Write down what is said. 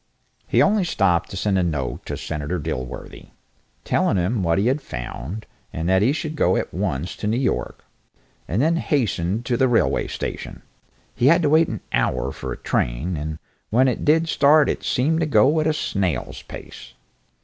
He only stopped to send a note to Senator Dilworthy, telling him what he had found, and that he should go at once to New York, and then hastened to the railway station. He had to wait an hour for a train, and when it did start it seemed to go at a snail's pace.